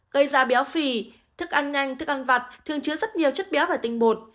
gây ra béo phì thức ăn nhanh thức ăn vặt thường chứa rất nhiều chất béo và tinh bột